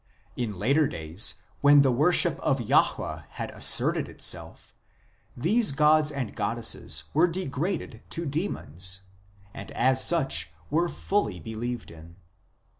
In later days, when the worship of Jahwe had asserted itself, these gods and goddesses were degraded to demons, and as such were fully believed in.